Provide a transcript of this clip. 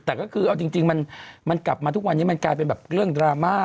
แต่ก็คือเอาจริงมันกลับมาทุกวันนี้มันกลายเป็นแบบเรื่องดราม่า